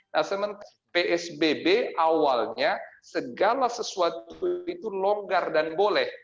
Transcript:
nah sementara psbb awalnya segala sesuatu itu longgar dan boleh